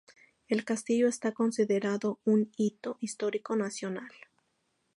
El castillo está considerado un Hito Histórico Nacional.